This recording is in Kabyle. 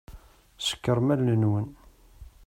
Ṣekkṛem allen-nwen.